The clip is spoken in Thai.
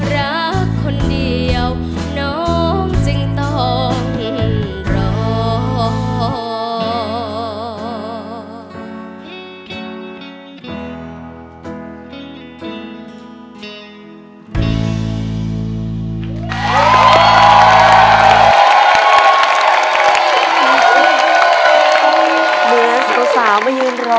รักคนเดียวน้องจึงต้องรอ